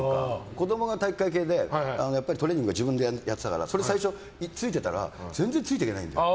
子供が体育会系でやっぱりトレーニング自分でやってたから、それに最初、ついてったら全然ついていけないんだよ。